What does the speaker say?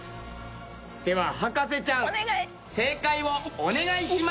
では博士ちゃん正解をお願いします。